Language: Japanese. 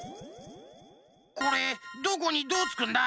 これどこにどうつくんだ？